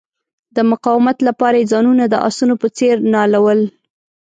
د مقاومت لپاره یې ځانونه د آسونو په څیر نالول.